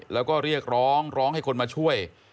แล้วก็เรียกร้องร้องให้คนมาช่วย